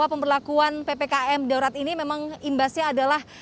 pemberlakuan ppkm darurat ini memang imbasnya adalah